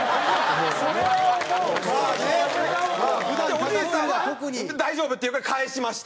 おじいさんは「大丈夫」って言うから帰しました。